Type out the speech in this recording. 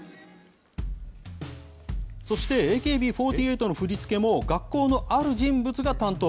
そしてＡＫＢ４８の振り付けも、学校のある人物が担当。